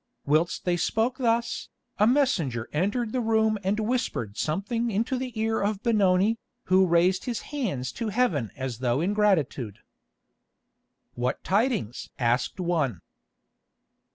Whilst they spoke thus, a messenger entered the room and whispered something into the ear of Benoni, who raised his hands to Heaven as though in gratitude. "What tidings?" asked one.